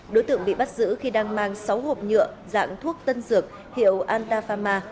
đối tượng bị bắt giữ khi đang mang sáu hộp nhựa dạng thuốc tân dược hiệu antafama